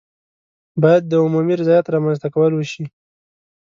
باید د عمومي رضایت رامنځته کول وشي.